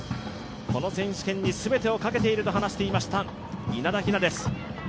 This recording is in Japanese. この選手権に全てかけていると話していました稲田雛です。